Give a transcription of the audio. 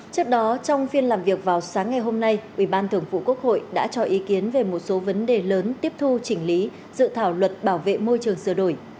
trước đó trong phiên làm việc vào sáng ngày hôm nay ủy ban thường vụ quốc hội đã cho ý kiến về một số vấn đề lớn tiếp thu chỉnh lý dự thảo luật bảo vệ môi trường sửa đổi